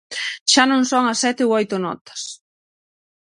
Xa non son as sete ou oito notas.